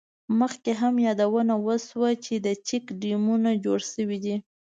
مخکې هم یادونه وشوه، چې چیک ډیمونه جوړ شوي دي.